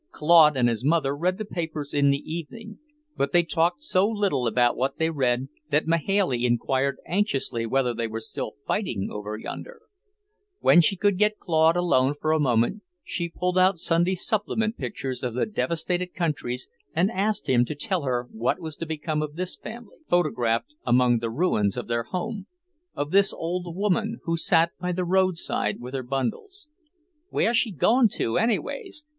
Claude and his mother read the papers in the evening, but they talked so little about what they read that Mahailey inquired anxiously whether they weren't still fighting over yonder. When she could get Claude alone for a moment, she pulled out Sunday supplement pictures of the devastated countries and asked him to tell her what was to become of this family, photographed among the ruins of their home; of this old woman, who sat by the roadside with her bundles. "Where's she goin' to, anyways?